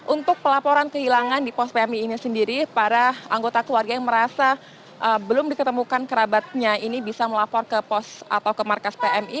untuk pelaporan kehilangan di pos pmi ini sendiri para anggota keluarga yang merasa belum diketemukan kerabatnya ini bisa melapor ke pos atau ke markas pmi